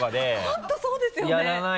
本当そうですよね！